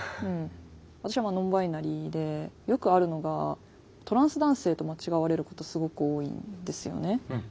私はノンバイナリーでよくあるのがトランス男性と間違われることすごく多いんですよね。